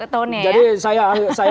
tonnya ya jadi saya